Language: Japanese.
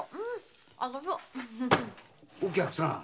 お客さん。